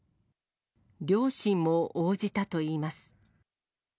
両親も応じたといいます。